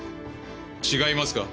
違いますか？